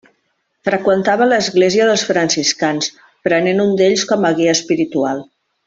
Freqüentava l'església dels franciscans, prenent un d'ells com a guia espiritual.